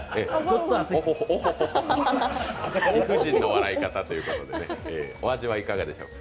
貴婦人の笑い方ということで、お味はいかがでしたか？